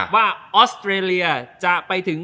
ว่าออสเตรเลียจะไปถึง